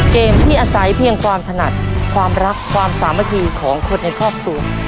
เกมที่อาศัยเพียงความถนัดความรักความสามัคคีของคนในครอบครัว